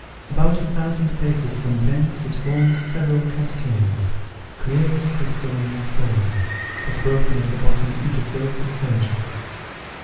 About a thousand paces from thence it forms several cascades, clear as crystal in their fall, but broken at the bottom into frothy surges.